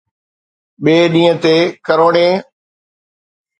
ٻئي ڏينهن تي ڪروڙين